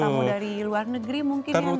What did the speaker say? bagi tamu tamu dari luar negeri mungkin yang datang